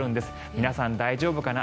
皆さん、大丈夫かな。